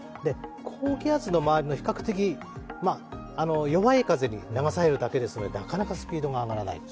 高気圧の周りの、比較的弱い風に流されるだけですので、なかなかスピードが上がらない。